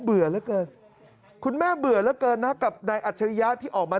เบื่อเหลือเกินคุณแม่เบื่อเหลือเกินนะกับนายอัจฉริยะที่ออกมา